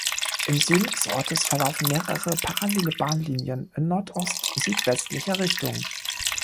Im Süden des Ortes verlaufen mehrere parallele Bahnlinien in nordost-südwestlicher Richtung.